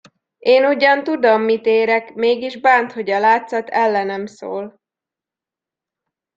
Én ugyan tudom, mit érek, mégis bánt, hogy a látszat ellenem szól!